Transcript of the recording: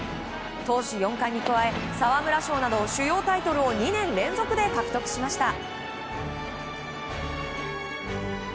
投手４冠に加え、沢村賞など主要タイトルを２年連続で獲得しました。